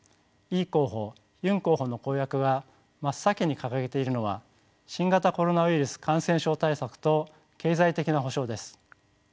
イ候補ユン候補の公約が真っ先に掲げているのは新型コロナウイルス感染症対策と経済的な補償です。